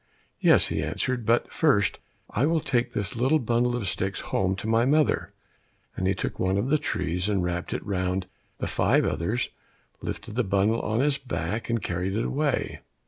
"Yes," he answered, "but, first, I will take this little bundle of sticks home to my mother," and he took one of the trees, and wrapped it round the five others, lifted the bundle on his back, and carried it away.